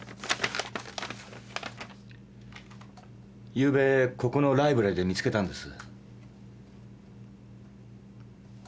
ゆうべここのライブラリーで見つけたんです。